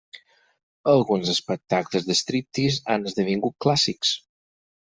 Alguns espectacles de striptease han esdevingut clàssics.